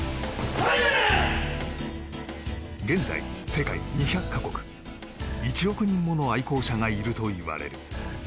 現在、世界２００か国１億人もの愛好者がいるといわれる。